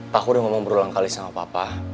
pak aku udah ngomong berulang kali sama papa